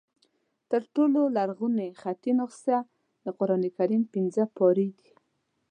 تر ټولو لرغونې خطي نسخه د قرآن کریم پنځه پارې دي.